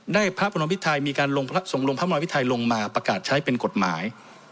พระบรมพิทัยมีการส่งลงพระมรพิทัยลงมาประกาศใช้เป็นกฎหมาย